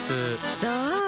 そう。